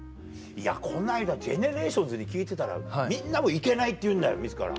この間ＧＥＮＥＲＡＴＩＯＮＳに聞いてたらみんなも行けないって言うんだ自ら。